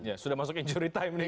ya sudah masuk injury time nih